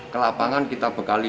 ke lapangan kita bekali